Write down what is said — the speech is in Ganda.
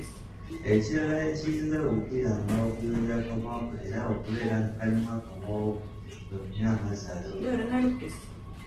Ekirala ekiyinza okukuyamba okuyonja akamwa ko era okubeera nga kalimu akawoowo, kwe kunywa amazzi agawera